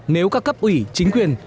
nếu các cấp ủy chính quyền